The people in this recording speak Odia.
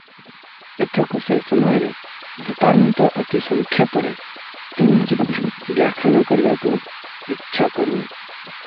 ଏଥକୁ ସେ ସମୟର ବୃତ୍ତାନ୍ତ ଅତି ସଂକ୍ଷେପରେ କିଞ୍ଚିତ୍ ବ୍ୟାଖ୍ୟାନ କରିବାକୁ ଇଚ୍ଛା କରୁଁ!